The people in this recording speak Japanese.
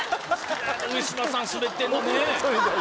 上島さん、スベってるのね。